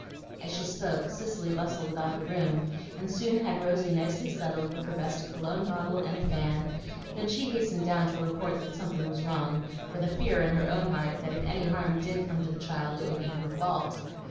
As she spoke, Cicely bustled about the room, and soon had Rosy nicely settled with her best cologne bottle and a fan; then she hastened down to report that something was wrong, with a fear in her own heart that if any harm did come to the child it would be her fault.